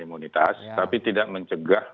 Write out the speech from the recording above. imunitas tapi tidak mencegah